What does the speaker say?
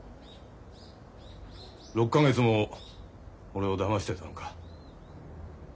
６か月も俺をだましてたのか。